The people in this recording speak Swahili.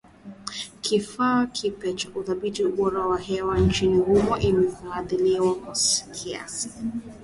Kifaa kipya cha kudhibiti ubora wa hewa nchini humo kimefadhiliwa kwa kiasi.